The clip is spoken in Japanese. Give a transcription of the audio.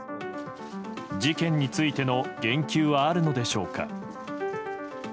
事件についての言及はあるのでしょうか。